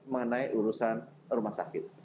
mengenai urusan rumah sakit